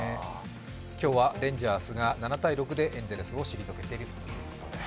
今日はレンジャーズが７−６でエンゼルスを退けたということです。